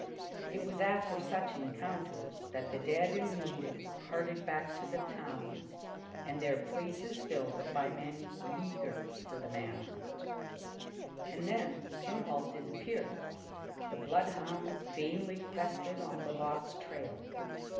It was after such encounters that the dead and wounded were carted back to the towns, and their places filled by men eager for the man hunt. And then Jim Hall disappeared. The bloodhounds vainly quested on the lost trail.